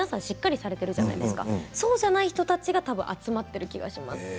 しっかりされているじゃないですかそういうんじゃない人たちがたぶん集まっている気がします。